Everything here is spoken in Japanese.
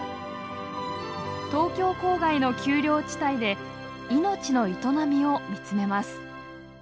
東京郊外の丘陵地帯で命の営みを見つめます。